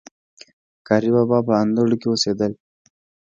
قاري بابا په اندړو کي اوسيدل